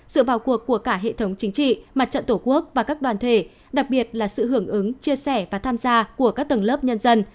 sự vào cuộc của cả hệ thống chính trị mặt trận tổ quốc và các đoàn thể đặc biệt là sự hưởng ứng chia sẻ và tham gia của các tầng lớp nhân dân